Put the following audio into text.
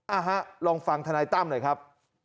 ฮะลองฟังธนายตั้มหน่อยครับ